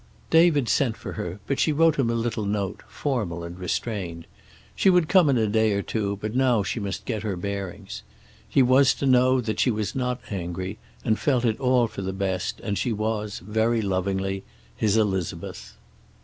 David sent for her, but she wrote him a little note, formal and restrained. She would come in a day or two, but now she must get her bearings. He was to know that she was not angry, and felt it all for the best, and she was very lovingly his, Elizabeth.